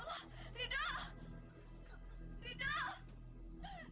begitu dia saya tak bisa jalan